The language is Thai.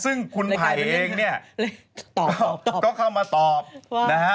ซึ่งคุณไผ่เองเนี่ยก็เข้ามาตอบนะฮะ